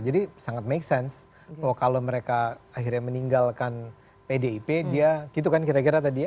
jadi sangat make sense kalau mereka akhirnya meninggalkan pdip dia gitu kan kira kira tadi ya